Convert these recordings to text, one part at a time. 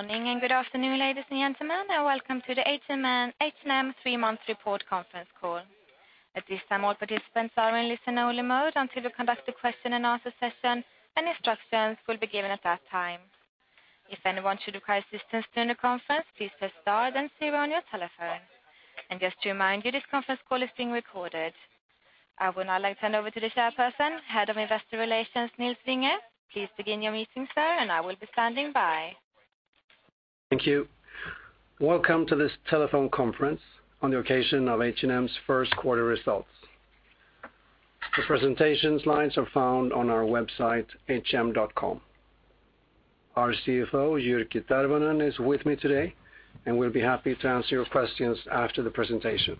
Morning and good afternoon, ladies and gentlemen. Welcome to the H&M three-month report conference call. At this time, all participants are in listen-only mode until we conduct a question and answer session, and instructions will be given at that time. If anyone should require assistance during the conference, please press star then zero on your telephone. Just to remind you, this conference call is being recorded. I would now like to hand over to the Chairperson, Head of Investor Relations, Nils Vinge. Please begin your meeting, sir, and I will be standing by. Thank you. Welcome to this telephone conference on the occasion of H&M's First Quarter Results. The presentation slides are found on our website, hm.com. Our CFO, Jyrki Tervonen, is with me today and will be happy to answer your questions after the presentation.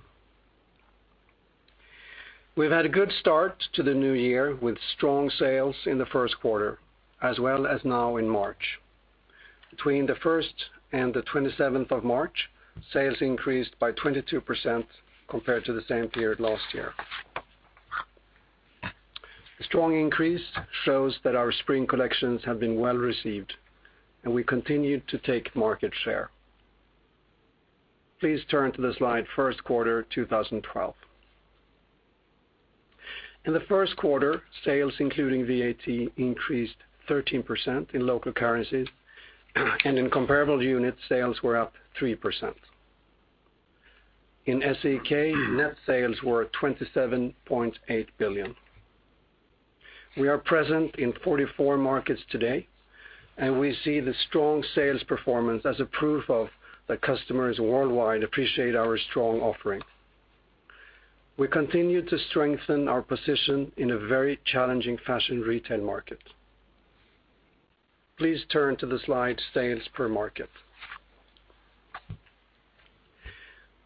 We've had a good start to the new year with strong sales in the first quarter, as well as now in March. Between the 1st and the 27th of March, sales increased by 22% compared to the same period last year. The strong increase shows that our spring collections have been well-received, and we continue to take market share. Please turn to the slide First Quarter, 2012. In the first quarter, sales, including VAT, increased 13% in local currencies, and in comparable units, sales were up 3%. In SEK, net sales were 27.8 billion. We are present in 44 markets today, and we see the strong sales performance as proof that customers worldwide appreciate our strong offering. We continue to strengthen our position in a very challenging fashion retail market. Please turn to the slide Sales per Market.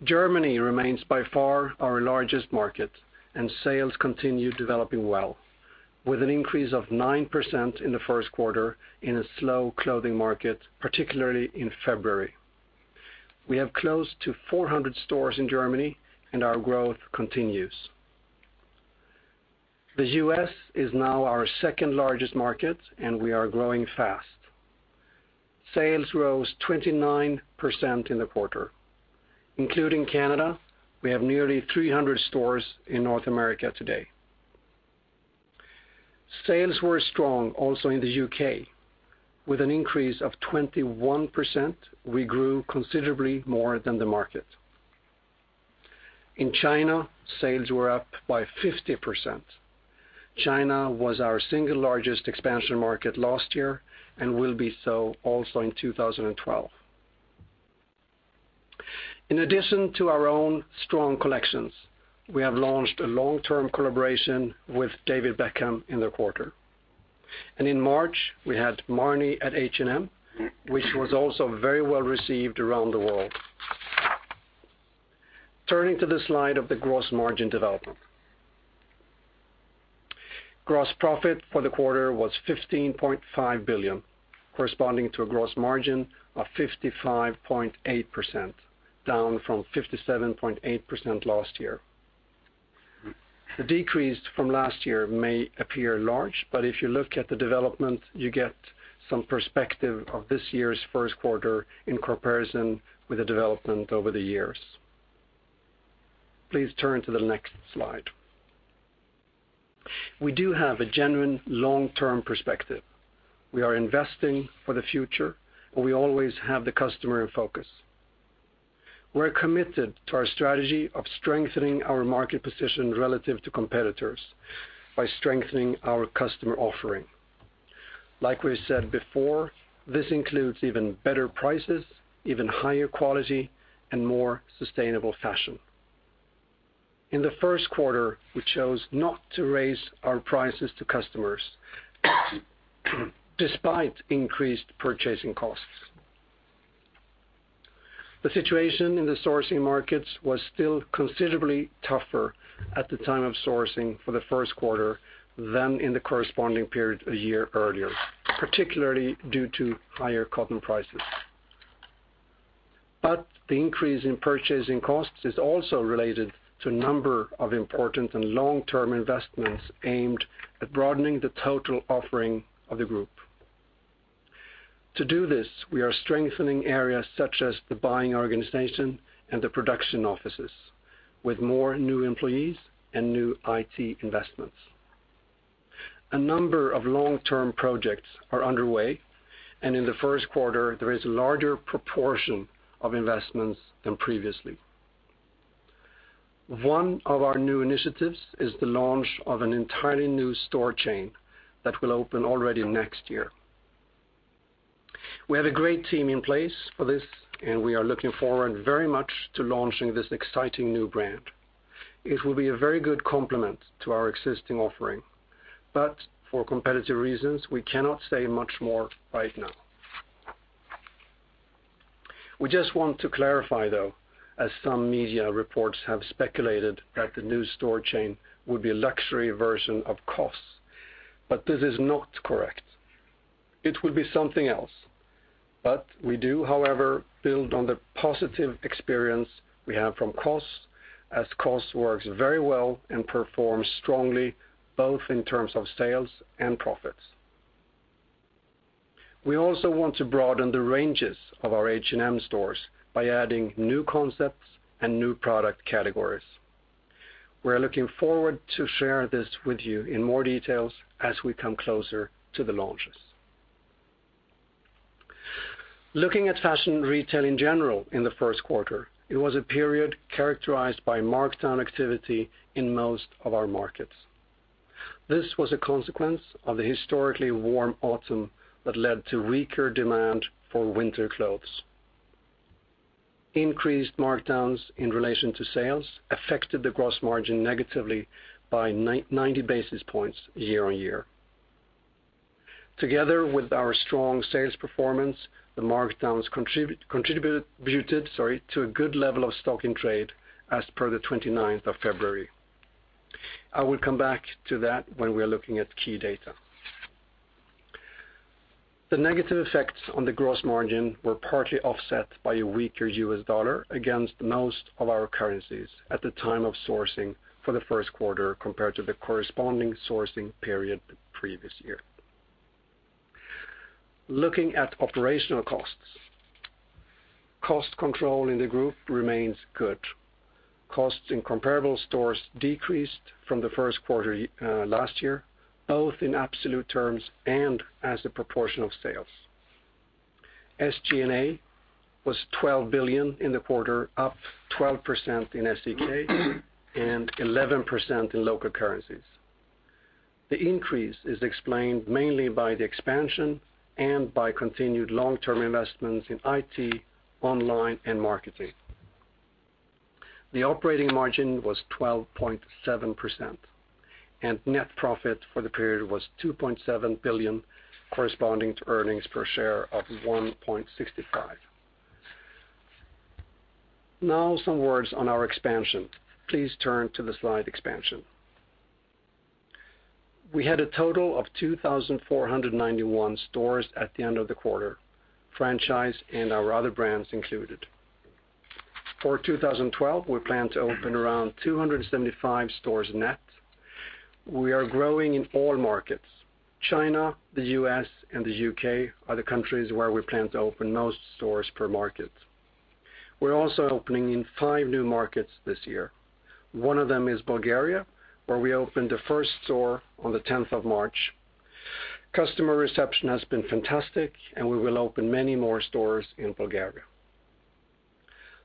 Germany remains by far our largest market, and sales continue developing well, with an increase of 9% in the first quarter in a slow clothing market, particularly in February. We have close to 400 stores in Germany, and our growth continues. The U.S. is now our second-largest market, and we are growing fast. Sales rose 29% in the quarter. Including Canada, we have nearly 300 stores in North America today. Sales were strong also in the U.K. With an increase of 21%, we grew considerably more than the market. In China, sales were up by 50%. China was our single-largest expansion market last year and will be so also in 2012. In addition to our own strong collections, we have launched a long-term collaboration with David Beckham in the quarter. In March, we had Marni at H&M, which was also very well-received around the world. Turning to the slide of the gross margin development. Gross profit for the quarter was 15.5 billion, corresponding to a gross margin of 55.8%, down from 57.8% last year. The decrease from last year may appear large, but if you look at the development, you get some perspective of this year's first quarter in comparison with the development over the years. Please turn to the next slide. We do have a genuine long-term perspective. We are investing for the future, and we always have the customer in focus. We're committed to our strategy of strengthening our market position relative to competitors by strengthening our customer offering. Like we've said before, this includes even better prices, even higher quality, and more sustainable fashion. In the first quarter, we chose not to raise our prices to customers despite increased purchasing costs. The situation in the sourcing markets was still considerably tougher at the time of sourcing for the first quarter than in the corresponding period a year earlier, particularly due to higher cotton prices. The increase in purchasing costs is also related to a number of important and long-term investments aimed at broadening the total offering of the group. To do this, we are strengthening areas such as the buying organization and the production offices, with more new employees and new IT investments. A number of long-term projects are underway, and in the first quarter, there is a larger proportion of investments than previously. One of our new initiatives is the launch of an entirely new store chain that will open already next year. We have a great team in place for this, and we are looking forward very much to launching this exciting new brand. It will be a very good complement to our existing offering, but for competitive reasons, we cannot say much more right now. We just want to clarify, though, as some media reports have speculated that the new store chain would be a luxury version of COS. This is not correct. It will be something else. We do, however, build on the positive experience we have from COS, as COS works very well and performs strongly both in terms of sales and profits. We also want to broaden the ranges of our H&M stores by adding new concepts and new product categories. We're looking forward to share this with you in more details as we come closer to the launches. Looking at fashion retail in general in the first quarter, it was a period characterized by markdown activity in most of our markets. This was a consequence of the historically warm autumn that led to weaker demand for winter clothes. Increased markdowns in relation to sales affected the gross margin negatively by 90 basis points year-on-year. Together with our strong sales performance, the markdowns contributed to a good level of stock in trade as per the 29th of February. I will come back to that when we are looking at key data. The negative effects on the gross margin were partly offset by a weaker U.S. dollar against most of our currencies at the time of sourcing for the first quarter compared to the corresponding sourcing period the previous year. Looking at operational costs, cost control in the group remains good. Costs in comparable stores decreased from the first quarter last year, both in absolute terms and as a proportion of sales. SG&A was 12 billion in the quarter, up 12% in SEK and 11% in local currencies. The increase is explained mainly by the expansion and by continued long-term investments in IT, online, and marketing. The operating margin was 12.7%, and net profit for the period was 2.7 billion, corresponding to earnings per share of 1.65. Now, some words on our expansion. Please turn to the slide Expansion. We had a total of 2,491 stores at the end of the quarter, franchise and our other brands included. For 2012, we plan to open around 275 stores net. We are growing in all markets. China, the U.S., and the U.K. are the countries where we plan to open most stores per market. We're also opening in five new markets this year. One of them is Bulgaria, where we opened the first store on the 10th of March. Customer reception has been fantastic, and we will open many more stores in Bulgaria.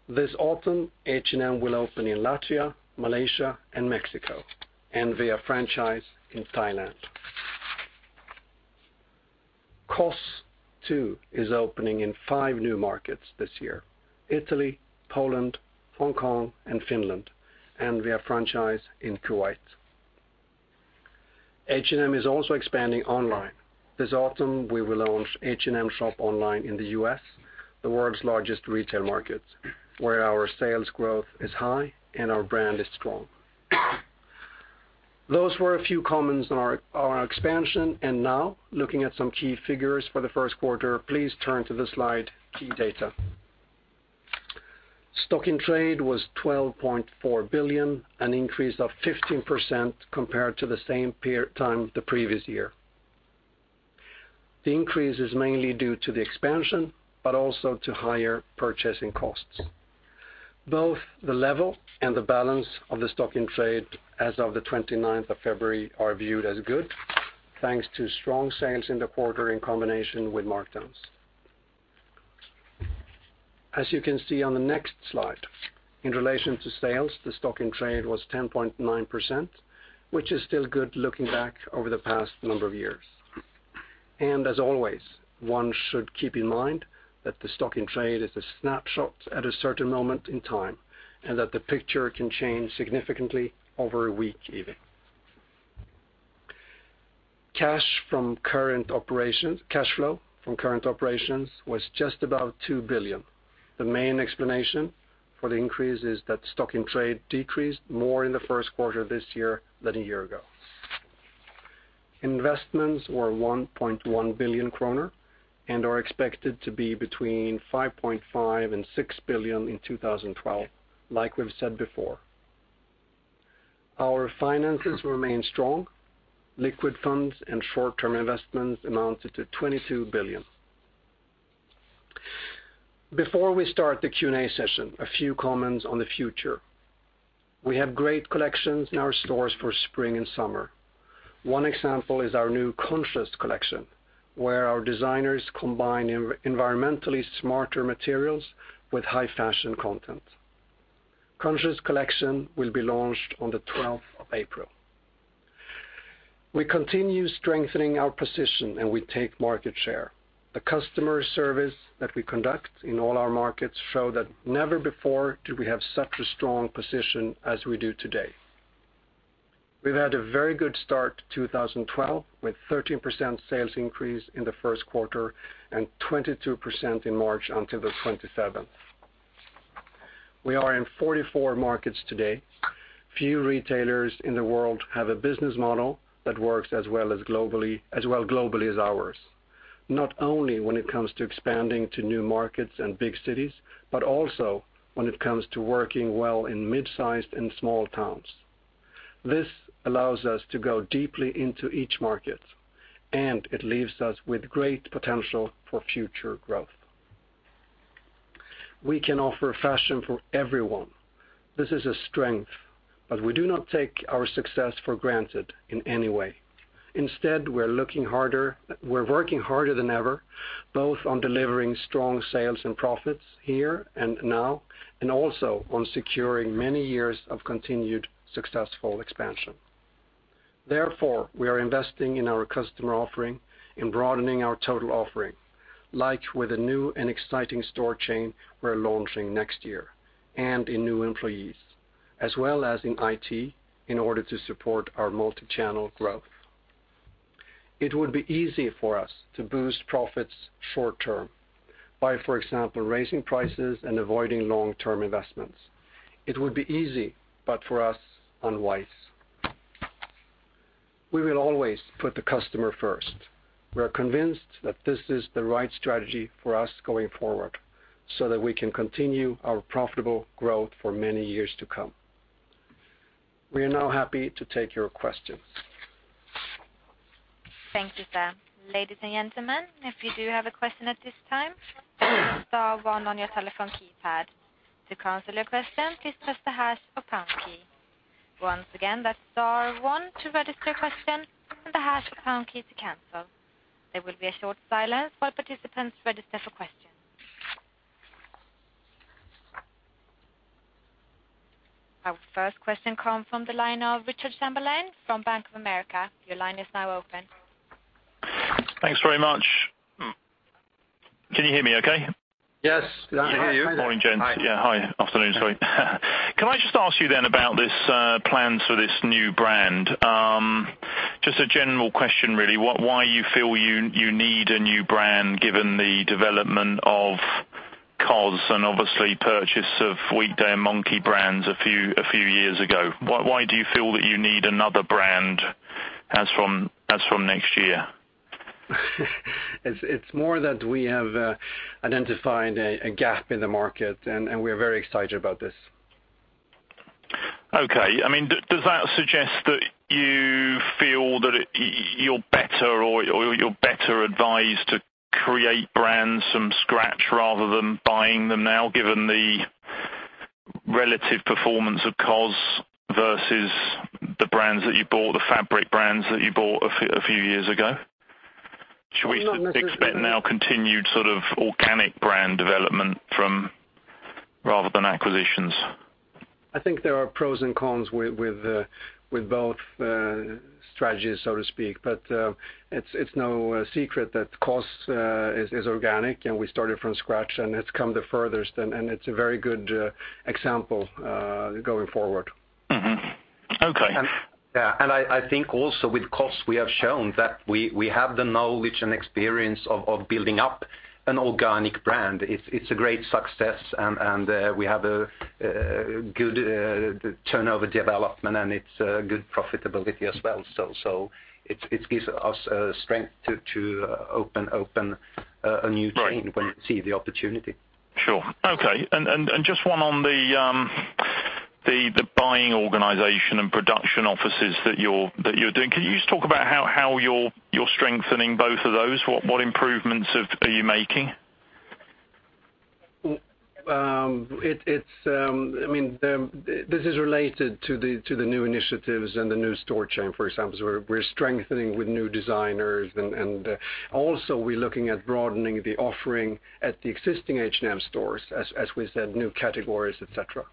This autumn, H&M will open in Latvia, Malaysia, and Mexico, and we are franchised in Thailand. COS, too, is opening in five new markets this year: Italy, Poland, Hong Kong, and Finland. H&M is also expanding online. This autumn, we will launch H&M Shop Online in the U.S., the world's largest retail market, where our sales growth is high and our brand is strong. Those were a few comments on our expansion, and now, looking at some key figures for the first quarter, please turn to the slide Key Data. Stock in trade was 12.4 billion, an increase of 15% compared to the same time the previous year. The increase is mainly due to the expansion, but also to higher purchasing costs. Both the level and the balance of the stock in trade as of the 29th of February are viewed as good, thanks to strong sales in the quarter in combination with markdowns. As you can see on the next slide, in relation to sales, the stock in trade was 10.9%, which is still good looking back over the past number of years. As always, one should keep in mind that the stock in trade is a snapshot at a certain moment in time and that the picture can change significantly over a week even. Cash from current operations, cash flow from current operations was just above 2 billion. The main explanation for the increase is that stock in trade decreased more in the first quarter this year than a year ago. Investments were 1.1 billion kronor and are expected to be between 5.5 billion and 6 billion in 2012, like we've said before. Our finances remain strong. Liquid funds and short-term investments amounted to 22 billion. Before we start the Q&A session, a few comments on the future. We have great collections in our stores for spring and summer. One example is our new Conscious Collection, where our designers combine environmentally smarter materials with high-fashion content. Conscious Collection will be launched on the 12th of April. We continue strengthening our position, and we take market share. The customer service that we conduct in all our markets shows that never before did we have such a strong position as we do today. We've had a very good start to 2012 with a 13% sales increase in the first quarter and 22% in March until the 27th. We are in 44 markets today. Few retailers in the world have a business model that works as well globally as ours, not only when it comes to expanding to new markets and big cities, but also when it comes to working well in mid-sized and small towns. This allows us to go deeply into each market, and it leaves us with great potential for future growth. We can offer fashion for everyone. This is a strength, but we do not take our success for granted in any way. Instead, we're looking harder, we're working harder than ever, both on delivering strong sales and profits here and now, and also on securing many years of continued successful expansion. Therefore, we are investing in our customer offering and broadening our total offering, like with a new and exciting store chain we're launching next year and in new employees, as well as in IT in order to support our multichannel growth. It would be easy for us to boost profits short term by, for example, raising prices and avoiding long-term investments. It would be easy, but for us, unwise. We will always put the customer first. We are convinced that this is the right strategy for us going forward so that we can continue our profitable growth for many years to come. We are now happy to take your questions. Thanks, Isa. Ladies and gentlemen, if you do have a question at this time, please press star one on your telephone keypad. To cancel your question, please press the hash or pound key. Once again, that's star one to register a question and the hash or pound key to cancel. There will be a short silence while participants register for questions. Our first question comes from the line of Richard Chamberlain from Bank of America. Your line is now open. Thanks very much. Can you hear me okay? Yes, I can hear you. Morning, gents. Hi. Afternoon, sorry. Can I just ask you about these plans for this new brand? Just a general question, really. Why do you feel you need a new brand given the development of COS and obviously purchase of Weekday and Monki brands a few years ago? Why do you feel that you need another brand as from next year? It's more that we have identified a gap in the market, and we are very excited about this. Okay. I mean, does that suggest that you feel that you're better or you're better advised to create brands from scratch rather than buying them now given the relative performance of COS versus the brands that you bought, the fabric brands that you bought a few years ago? No, nothing. Do you expect now continued sort of organic brand development rather than acquisitions? I think there are pros and cons with both strategies, so to speak. It's no secret that COS is organic, and we started from scratch, and it's come the furthest, and it's a very good example going forward. Okay. Yeah. I think also with COS, we have shown that we have the knowledge and experience of building up an organic brand. It's a great success, and we have a good turnover development, and it's a good profitability as well. It gives us strength to open a new chain when you see the opportunity. Sure. Okay. Just one on the buying organization and production offices that you're doing. Can you just talk about how you're strengthening both of those? What improvements are you making? This is related to the new initiatives and the new store chain, for example. We're strengthening with new designers, and also we're looking at H&M stores, as we said, new categories, et cetera.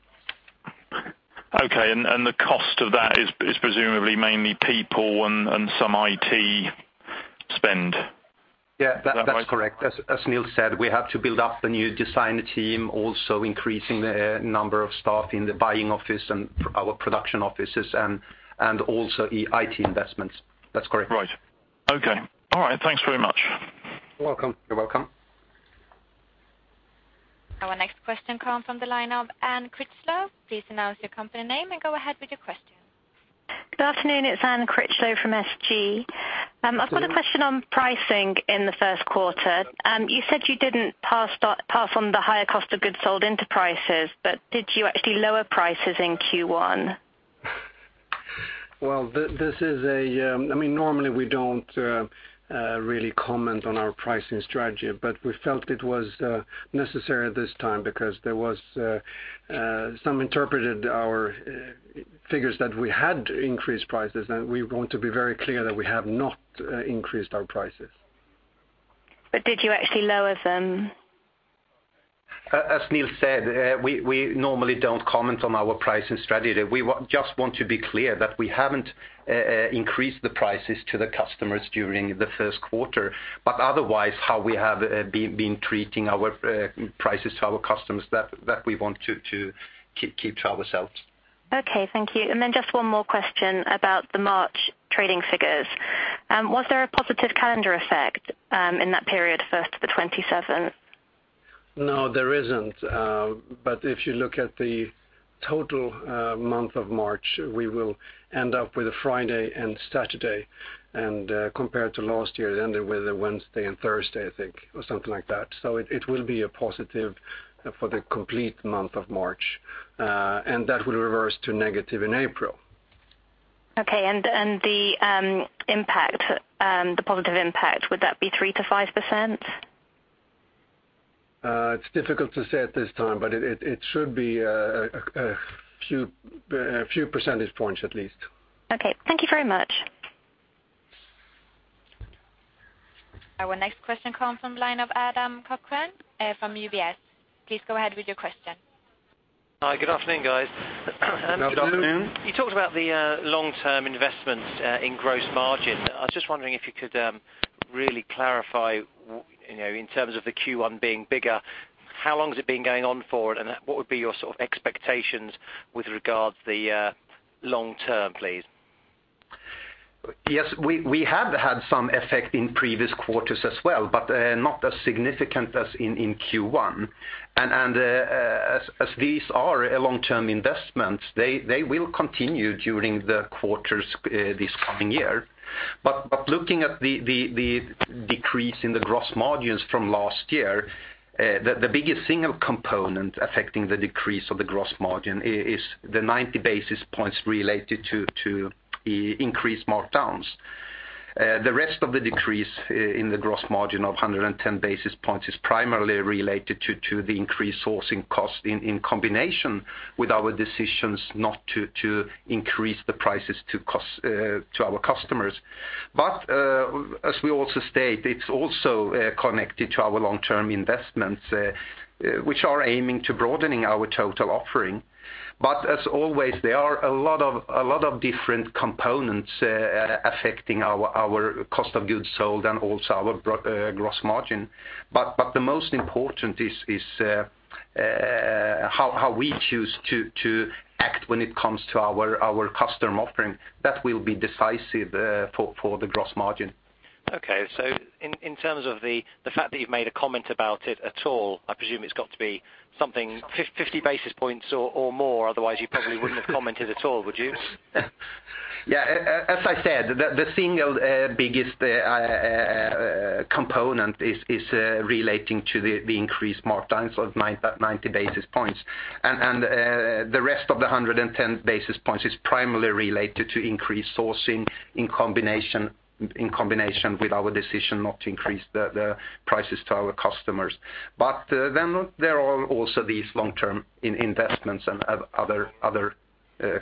Okay, the cost of that is presumably mainly people and some IT spend. Yeah, that's correct. As Nils said, we have to build up the new designer team, also increasing the number of staff in the buying office and our production offices, and also IT investments. That's correct. Right. Okay. All right. Thanks very much. You're welcome. You're welcome. Our next question comes from the line of Anne Critchlow. Please announce your company name and go ahead with your question. Good afternoon. It's Anne Critchlow from SG. I've got a question on pricing in the first quarter. You said you didn't pass on the higher cost of goods sold into prices, but did you actually lower prices in Q1? Normally, we don't really comment on our pricing strategy, but we felt it was necessary at this time because some interpreted our figures that we had increased prices, and we want to be very clear that we have not increased our prices. Did you actually lower them? As Nils said, we normally don't comment on our pricing strategy. We just want to be clear that we haven't increased the prices to the customers during the first quarter. Otherwise, how we have been treating our prices to our customers, that we want to keep to ourselves. Okay. Thank you. Just one more question about the March trading figures. Was there a positive calendar effect in that period, 1st to the 27th? No, there isn't. If you look at the total month of March, we will end up with a Friday and Saturday, and compared to last year, it ended with a Wednesday and Thursday, I think, or something like that. It will be a positive for the complete month of March. That will reverse to negative in April. Okay. The impact, the positive impact, would that be 3%-5%? It's difficult to say at this time, but it should be a few percentage points, at least. Okay, thank you very much. Our next question comes from the line of Adam Cochrane from UBS. Please go ahead with your question. Hi. Good afternoon, guys. Yeah, good afternoon. You talked about the long-term investments in gross margin. I was just wondering if you could really clarify, you know, in terms of the Q1 being bigger, how long has it been going on for, and what would be your sort of expectations with regard to the long term, please? Yes. We have had some effect in previous quarters as well, not as significant as in Q1. As these are long-term investments, they will continue during the quarters this coming year. Looking at the decrease in the gross margins from last year, the biggest single component affecting the decrease of the gross margin is the 90 basis points related to the increased markdowns. The rest of the decrease in the gross margin of 110 basis points is primarily related to the increased sourcing costs in combination with our decisions not to increase the prices to our customers. As we also state, it's also connected to our long-term investments, which are aiming to broaden our total offering. There are a lot of different components affecting our cost of goods sold and also our gross margin. The most important is how we choose to act when it comes to our custom offering. That will be decisive for the gross margin. Okay, in terms of the fact that you've made a comment about it at all, I presume it's got to be something 50 basis points or more. Otherwise, you probably wouldn't have commented at all, would you? Yeah. As I said, the single biggest component is relating to the increased markdowns of 90 basis points. The rest of the 110 basis points is primarily related to increased sourcing in combination with our decision not to increase the prices to our customers. There are also these long-term investments and other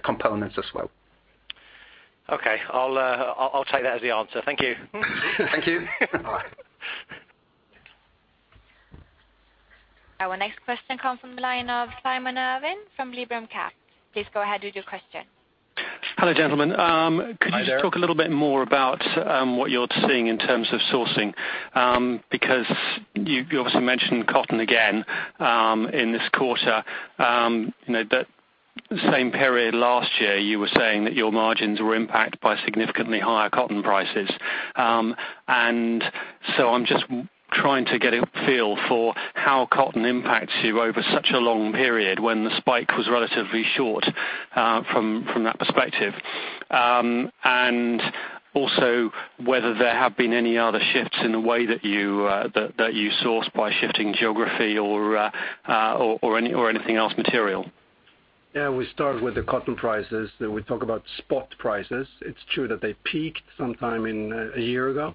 components as well. Okay, I'll take that as the answer. Thank you. Thank you. Our next question comes from the line of Simon Irwin from Liberum Capital. Please go ahead with your question. Hello, gentlemen. Hi there. Could you just talk a little bit more about what you're seeing in terms of sourcing? You obviously mentioned cotton again in this quarter. That same period last year, you were saying that your margins were impacted by significantly higher cotton prices. I'm just trying to get a feel for how cotton impacts you over such a long period when the spike was relatively short from that perspective. Also, whether there have been any other shifts in the way that you source by shifting geography or anything else material. Yeah. We start with the cotton prices. We talk about spot prices. It's true that they peaked sometime a year ago,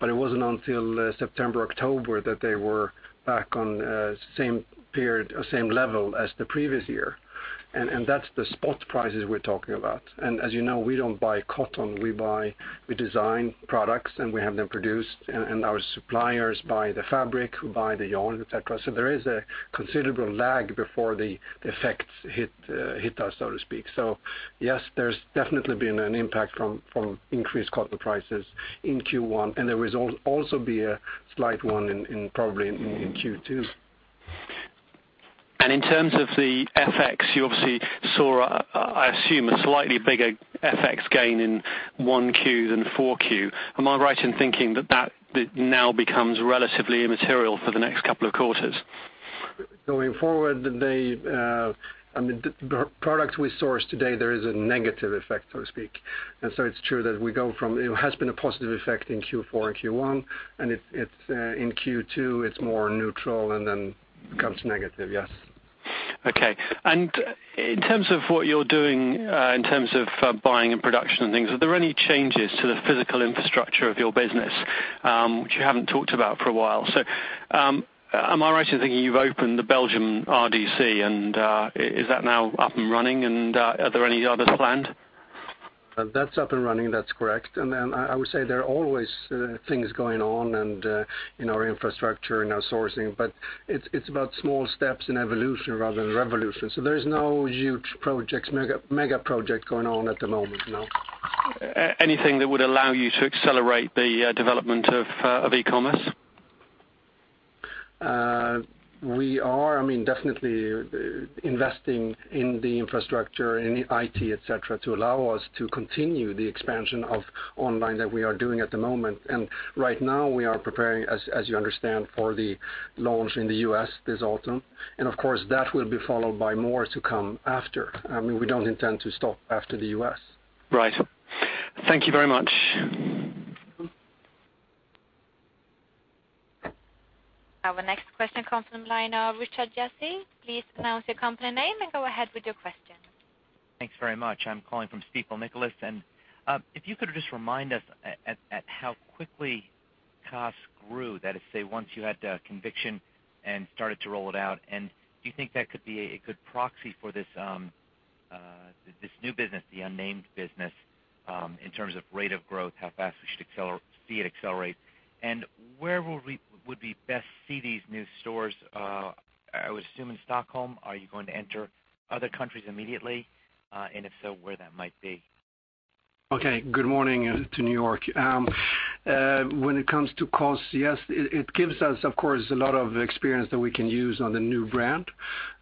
but it wasn't until September, October that they were back on the same period or same level as the previous year. That's the spot prices we're talking about. As you know, we don't buy cotton. We design products, and we have them produced, and our suppliers buy the fabric, buy the yarn, et cetera. There is a considerable lag before the effects hit us, so to speak. Yes, there's definitely been an impact from increased cotton prices in Q1, and there will also be a slight one probably in Q2. In terms of the FX, you obviously saw, I assume, a slightly bigger FX gain in Q1 than Q4. Am I right in thinking that that now becomes relatively immaterial for the next couple of quarters? Going forward, the products we source today, there is a negative effect, so to speak. It's true that we go from it has been a positive effect in Q4 and Q1, and in Q2, it's more neutral and then becomes negative, yes. Okay. In terms of what you're doing in terms of buying and production and things, are there any changes to the physical infrastructure of your business, which you haven't talked about for a while? Am I right in thinking you've opened the Belgium RDC, and is that now up and running, and are there any others planned? That's up and running. That's correct. There are always things going on in our infrastructure and our sourcing, but it's about small steps in evolution rather than revolution. There is no huge project, mega project going on at the moment, no. Anything that would allow you to accelerate the development of e-commerce? We are definitely investing in the infrastructure and IT, et cetera, to allow us to continue the expansion of online that we are doing at the moment. Right now, we are preparing, as you understand, for the launch in the U.S. this autumn. That will be followed by more to come after. We don't intend to stop after the U.S. Right. Thank you very much. Our next question comes from the line of Richard Jesse. Please announce your company name and go ahead with your question. Thanks very much. I'm calling from Stifel Nicholas. If you could just remind us at how quickly COS grew, that is to say, once you had the conviction and started to roll it out, do you think that could be a good proxy for this new business, the unnamed business, in terms of rate of growth, how fast we should see it accelerate? Where would we best see these new stores? I would assume in Stockholm. Are you going to enter other countries immediately? If so, where might that be? Okay. Good morning to New York. When it comes to COS, yes, it gives us, of course, a lot of experience that we can use on the new brand,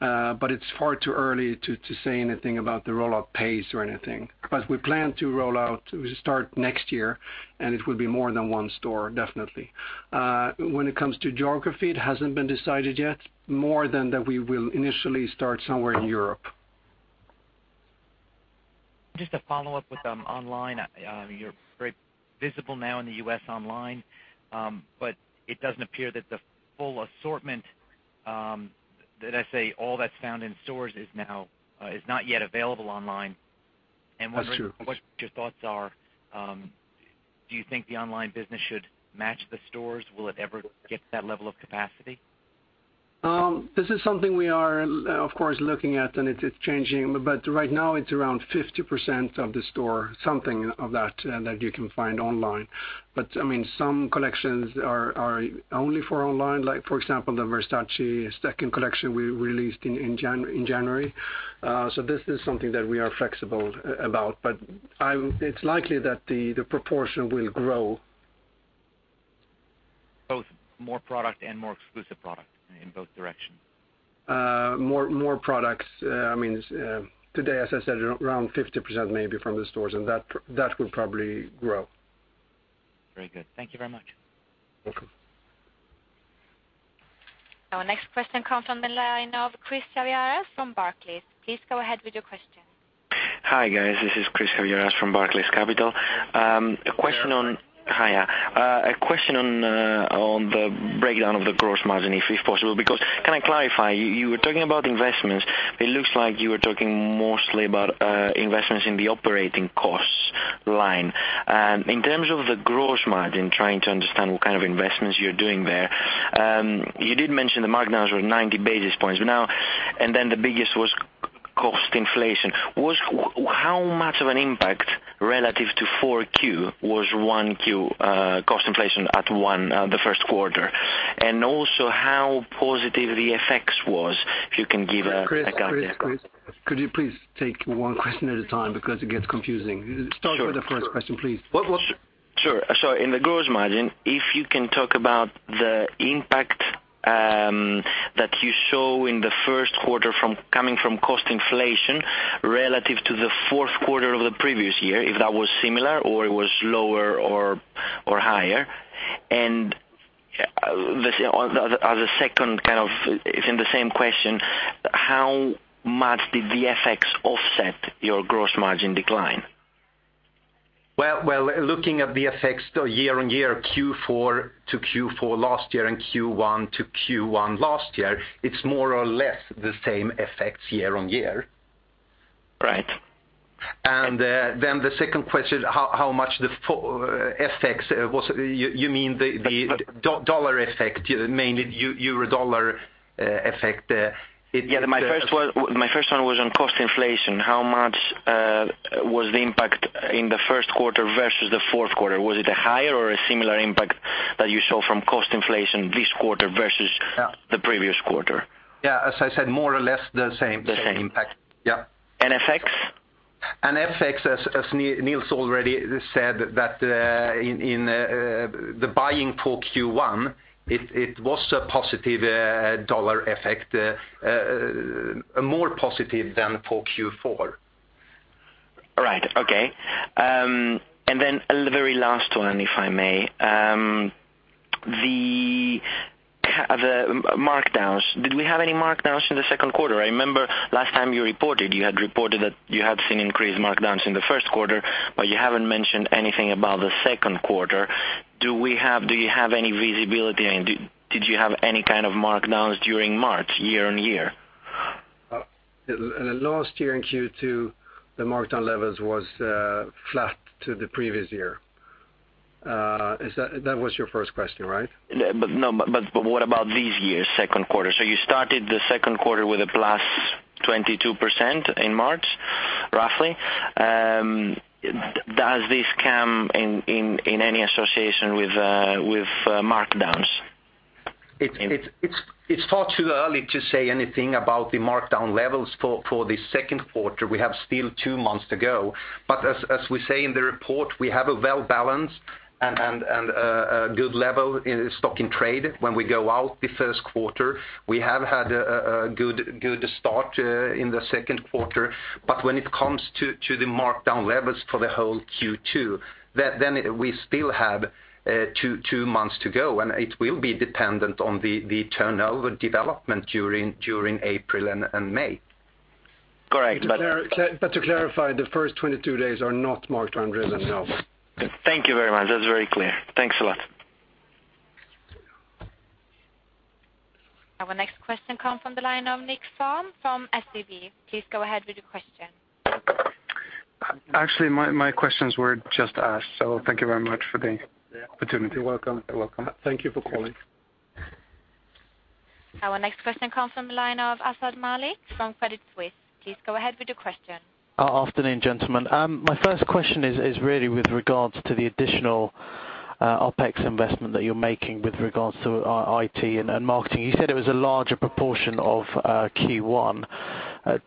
but it's far too early to say anything about the rollout pace or anything. We plan to roll out, we start next year, and it will be more than one store, definitely. When it comes to geography, it hasn't been decided yet, more than that we will initially start somewhere in Europe. Just to follow up with online, you're very visible now in the U.S. online, but it doesn't appear that the full assortment, that is all that's found in stores, is not yet available online. I'm wondering what your thoughts are. Do you think the online business should match the stores? Will it ever get to that level of capacity? This is something we are, of course, looking at, and it's changing. Right now, it's around 50% of the store, something of that, that you can find online. Some collections are only for online, like, for example, the Versace second collection we released in January. This is something that we are flexible about. It's likely that the proportion will grow. Both more product and more exclusive product in both directions? More products. I mean, today, as I said, around 50% maybe from the stores, and that will probably grow. Very good. Thank you very much. Welcome. Our next question comes from the line of Chris Javieres from Barclays. Please go ahead with your question. Hi, guys. This is Chris Javieres from Barclays Capital. A question on, hiya. A question on the breakdown of the gross margin, if possible, because can I clarify? You were talking about investments. It looks like you were talking mostly about investments in the operating costs line. In terms of the gross margin, trying to understand what kind of investments you're doing there, you did mention the markdowns were 90 basis points. Now, the biggest was cost inflation. How much of an impact relative to Q4 was Q1 cost inflation at one the first quarter? Also, how positive the FX was, if you can give a gut feel? Chris, could you please take one question at a time? It gets confusing. Start with the first question, please. In the gross margin, if you can talk about the impact that you show in the first quarter coming from cost inflation relative to the fourth quarter of the previous year, if that was similar or it was lower or higher. As a second kind of, it's in the same question, how much did the FX offset your gross margin decline? Looking at the FX year-on-year, Q4 to Q4 last year and Q1 to Q1 last year, it's more or less the same effects year-on-year. Right. The second question, how much the FX was, you mean the dollar effect, mainly the euro/dollar effect? Yeah. My first one was on cost inflation. How much was the impact in the first quarter versus the fourth quarter? Was it a higher or a similar impact that you saw from cost inflation this quarter versus the previous quarter? Yeah, as I said, more or less the same impact. Yeah. And FX? As Nils already said, in the buying for Q1, it was a positive dollar effect, more positive than for Q4. Right. Okay. A very last one, if I may. The markdowns. Did we have any markdowns in the second quarter? I remember last time you reported, you had reported that you have seen increased markdowns in the first quarter, but you haven't mentioned anything about the second quarter. Do you have any visibility? I mean, did you have any kind of markdowns during March, year-on-year? Last year in Q2, the markdown levels were flat to the previous year. That was your first question, right? What about these years, second quarter? You started the second quarter with a plus 22% in March, roughly. Does this come in any association with markdowns? It's far too early to say anything about the markdown levels for the second quarter. We have still two months to go. As we say in the report, we have a well-balanced and a good level in stock in trade when we go out the first quarter. We have had a good start in the second quarter. When it comes to the markdown levels for the whole Q2, we still have two months to go, and it will be dependent on the turnover development during April and May. Correct. To clarify, the first 22 days are not markdown-driven, no. Thank you very much. That's very clear. Thanks a lot. Our next question comes from the line of Nick Farm from SAB. Please go ahead with your question. Actually, my questions were just asked. Thank you very much for the opportunity. You're welcome. You're welcome. Thank you for calling. Our next question comes from the line of Asad Malik from Credit Suisse. Please go ahead with your question. Afternoon, gentlemen. My first question is really with regards to the additional OpEx investment that you're making with regards to IT and marketing. You said it was a larger proportion of Q1.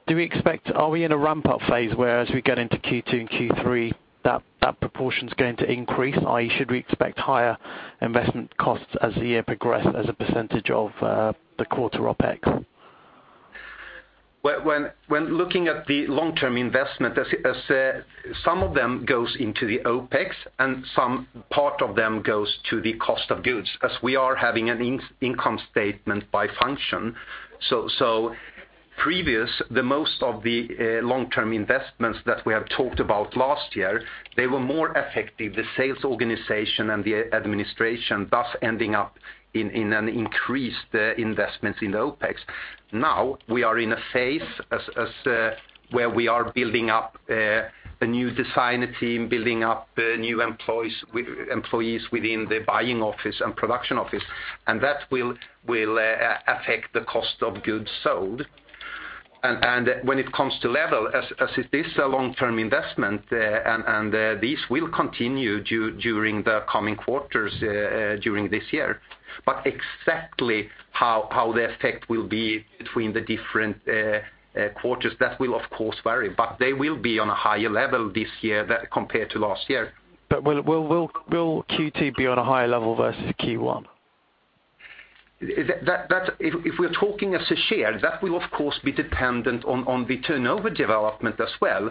Do we expect, are we in a ramp-up phase where, as we get into Q2 and Q3, that proportion is going to increase? Should we expect higher investment costs as the year progresses as a percentage of the quarter OpEx? When looking at the long-term investment, some of them go into the OpEx, and some part of them goes to the cost of goods, as we are having an income statement by function. Previously, most of the long-term investments that we have talked about last year were more affecting the sales organization and the administration, thus ending up in an increased investment in the OpEx. Now, we are in a phase where we are building up a new designer team, building up new employees within the buying office and production office. That will affect the cost of goods sold. When it comes to level, as it is a long-term investment, these will continue during the coming quarters during this year. Exactly how the effect will be between the different quarters will, of course, vary. They will be on a higher level this year compared to last year. Will Q2 be on a higher level versus Q1? If we're talking as a share, that will, of course, be dependent on the turnover development as well.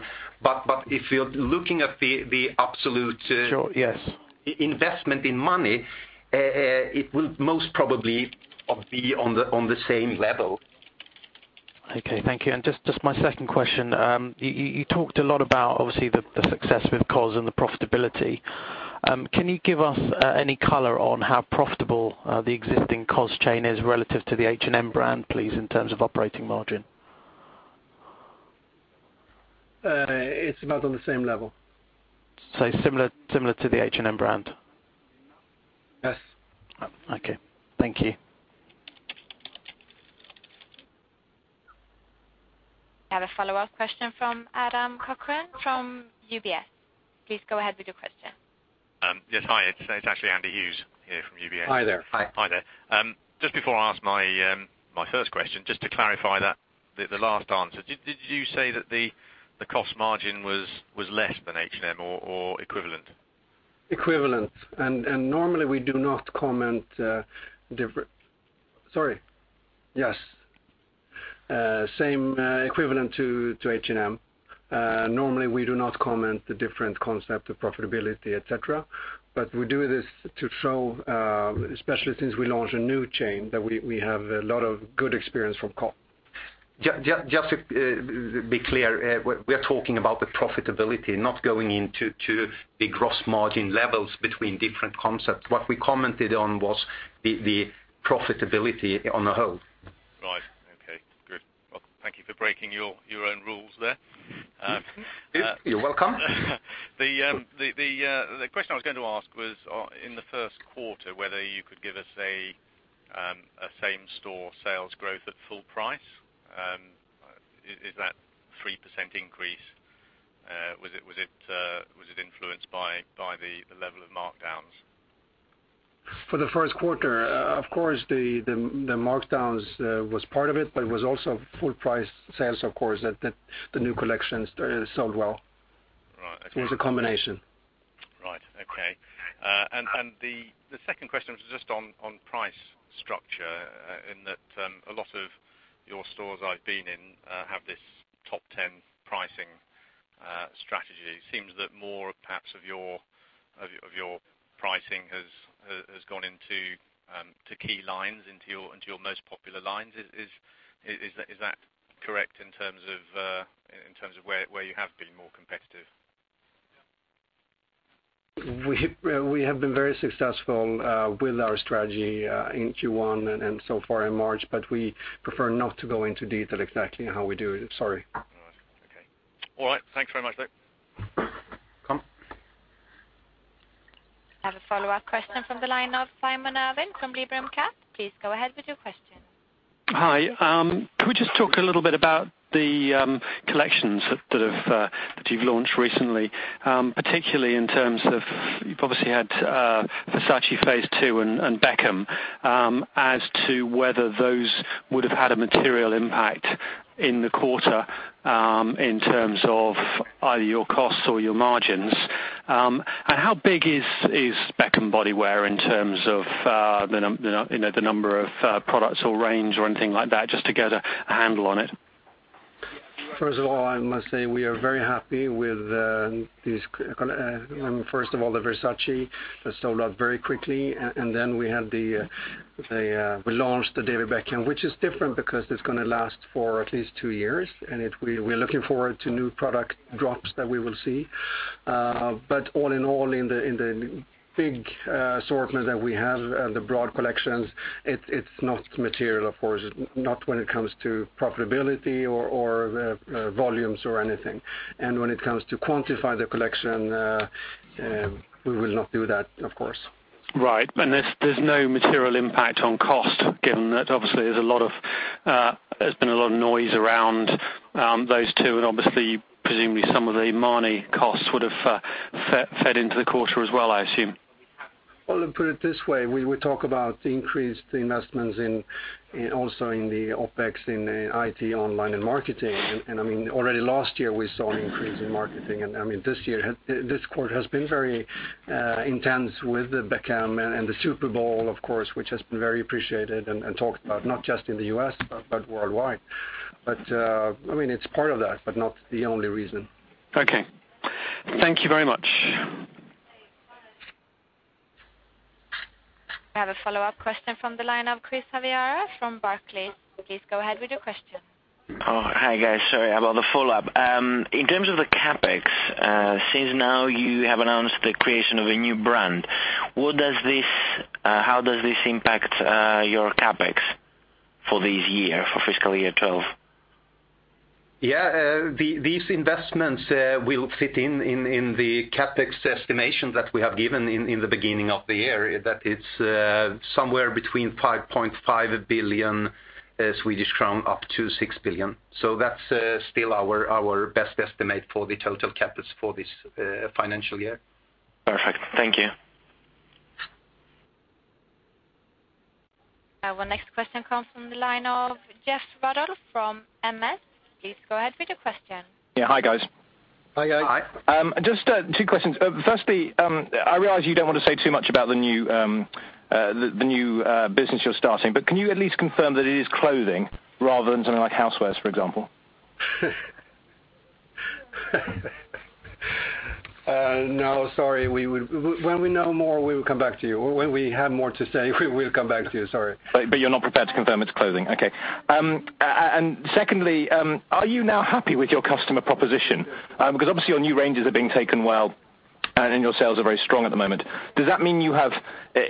If you're looking at the absolute. Sure, yes. Investment in money, it will most probably be on the same level. Okay. Thank you. Just my second question. You talked a lot about, obviously, the success with COS and the profitability. Can you give us any color on how profitable the existing COS H&M brand, please, in terms of operating margin? It's about on the same level. Similar to the H&M brand? Yes. Okay, thank you. We have a follow-up question from Adam Cochrane from UBS Investment Bank. Please go ahead with your question. Yes. Hi. It's actually Andy Hughes here from UBS Investment Bank. Hi there. Hi. Hi there. Just before I ask my first question, just to clarify that the last answer, did you say that the less than H&M or equivalent? we do not comment. Yes, same equivalent to H&M. Normally, we do not comment on the different concept of profitability, et cetera. We do this to show, especially since we launched a new chain, that we have a lot of good experience from COS. Just to be clear, we are talking about the profitability, not going into the gross margin levels between different concepts. What we commented on was the profitability on a whole. Right. Okay. Good. Thank you for breaking your own rules there. You're welcome. The question I was going to ask was, in the first quarter, whether you could give us a same-store sales growth at full price. Is that a 3% increase? Was it influenced by the level of markdowns? For the first quarter, of course, the markdowns were part of it, but it was also full-price sales, of course, that the new collections sold well. Right. Okay. It was a combination. Right. Okay. The second question was just on price structure in that a lot of your stores I've been in have this top 10 pricing strategy. It seems that more, perhaps, of your pricing has gone into key lines, into your most popular lines. Is that correct in terms of where you have been more competitive? We have been very successful with our strategy in Q1 and so far in March, but we prefer not to go into detail exactly how we do it. Sorry. Right. Okay. All right. Thanks very much, though. Come. We have a follow-up question from the line of Simon Ervin from Librem Cap. Please go ahead with your question. Hi. Could we just talk a little bit about the collections that you've launched recently, particularly in terms of you've obviously had Versace Phase 2 and David Beckham, as to whether those would have had a material impact in the quarter in terms of either your costs or your margins? How big is Beckham bodywear in terms of the number of products or range or anything like that, just to get a handle on it? First of all, I must say we are very happy with these, first of all, the Versace that sold out very quickly. Then we launched the David Beckham, which is different because it's going to last for at least two years, and we're looking forward to new product drops that we will see. All in all, in the big assortment that we have and the broad collections, it's not material, of course, not when it comes to profitability or volumes or anything. When it comes to quantify the collection, we will not do that, of course. Right. There's no material impact on cost, given that obviously there's a lot of noise around those two, and presumably, some of the money costs would have fed into the quarter as well, I assume. Let me put it this way. We talk about increased investments also in the OpEx in IT, online, and marketing. I mean, already last year, we saw an increase in marketing. I mean, this year, this quarter has been very intense with the Beckham and the Super Bowl, of course, which has been very appreciated and talked about, not just in the U.S. but worldwide. I mean, it's part of that, but not the only reason. Okay, thank you very much. We have a follow-up question from the line of Chris Javieres from Barclays. Please go ahead with your question. Oh, hi, guys. Sorry about the follow-up. In terms of the CapEx, since now you have announced the creation of a new brand, how does this impact your CapEx for this year, for fiscal year 2012? Yeah. These investments will fit in the CapEx estimation that we have given in the beginning of the year, that it's somewhere between 5.5 billion Swedish crown up to 6 billion. That's still our best estimate for the total CapEx for this financial year. Perfect. Thank you. Our next question comes from the line of Jeff Ruddle from MS. Please go ahead with your question. Hi, guys. Hi, guys. Hi. Just two questions. Firstly, I realize you don't want to say too much about the new business you're starting, but can you at least confirm that it is clothing rather than something like housewares, for example? No, sorry. When we know more, we will come back to you. When we have more to say, we'll come back to you. Sorry. You're not prepared to confirm it's clothing? Okay. Secondly, are you now happy with your customer proposition? Obviously, your new ranges are being taken well, and your sales are very strong at the moment. Does that mean you have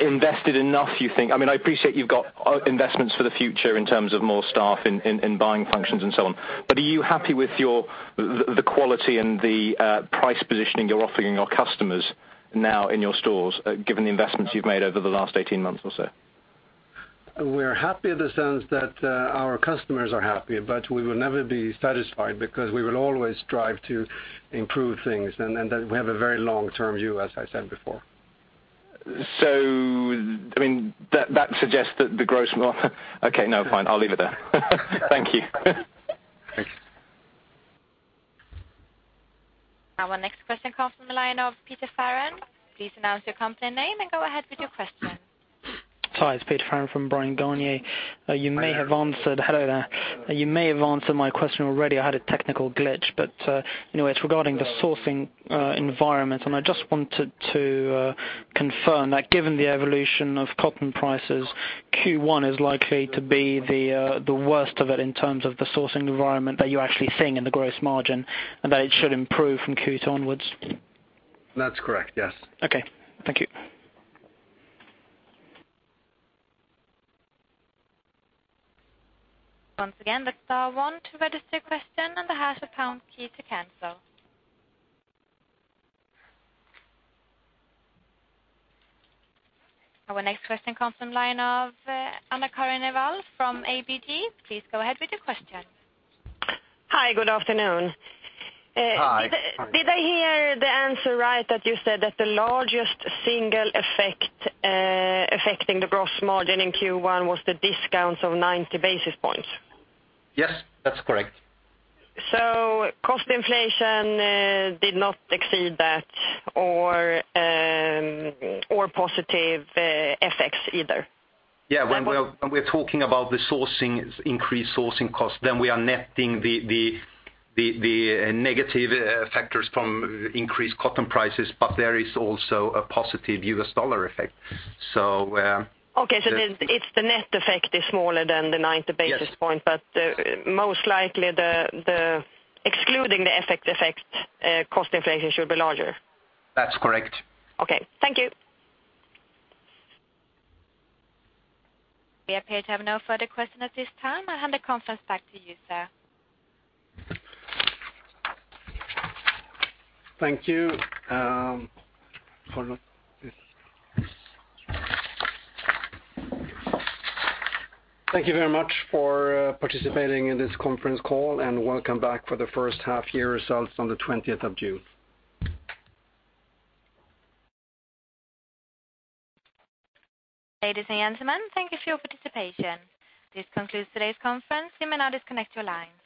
invested enough, you think? I appreciate you've got investments for the future in terms of more staff in buying functions and so on. Are you happy with the quality and the price positioning you're offering your customers now in your stores, given the investments you've made over the last 18 months or so? We're happy in the sense that our customers are happy, but we will never be satisfied because we will always strive to improve things, and that we have a very long-term view, as I said before. That suggests that the gross margin. Okay, fine. I'll leave it there. Thank you. Thanks. Our next question comes from the line of Peter Farren. Please announce your company name and go ahead with your question. Hi. It's Peter farren from Bryan Garnier. You may have answered my question already. I had a technical glitch. Anyway, it's regarding the sourcing environment. I just wanted to confirm that given the evolution of cotton prices, Q1 is likely to be the worst of it in terms of the sourcing environment that you're actually seeing in the gross margin and that it should improve from Q2 onwards. That's correct, yes. Okay, thank you. Once again, the star one to register a question and the hash or pound key to cancel. Our next question comes from the line of Anna-Karin Envall from ABG. Please go ahead with your question. Hi, good afternoon. Hi. Did I hear the answer right that you said that the largest single effect affecting the gross margin in Q1 was the discounts of 90 basis points? Yes, that's correct. Cost inflation did not exceed that or positive effects either. Yeah. When we're talking about the increased sourcing costs, we are netting the negative factors from increased cotton prices, but there is also a positive US dollar effect. Okay. The net effect is smaller than the 90 basis points, but most likely, excluding the effect, cost inflation should be larger. That's correct. Okay, thank you. We appear to have no further questions at this time. I'll hand the conference back to you, sir. Thank you. Thank you very much for participating in this conference call and welcome back for the first half-year results on the 20th of June. Ladies and gentlemen, thank you for your participation. This concludes today's conference. You may now disconnect your line.